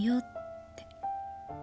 って。